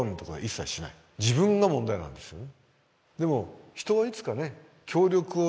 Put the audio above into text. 自分が問題なんですよね。